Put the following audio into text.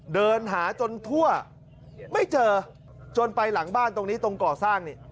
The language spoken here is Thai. เดินหาจนทั่วไม่เจอจนไปหลังบ้านตรงนี้ตรงก่อสร้างนี่